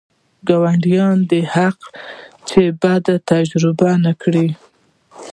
ګاونډیانو دا حق دی چې بدي تجربه نه کړي.